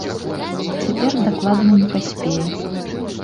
Цяпер дакладна не паспее.